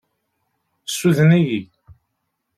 Suden-iyi.